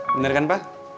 bener kan pak